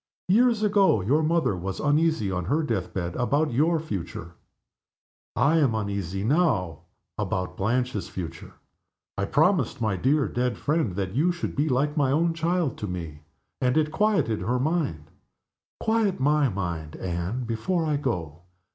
Years ago your mother was uneasy, on her death bed, about your future. I am uneasy, now, about Blanche's future. I promised my dear dead friend that you should be like my own child to me and it quieted her mind. Quiet my mind, Anne, before I go.